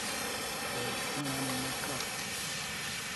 Ofuna mmeka?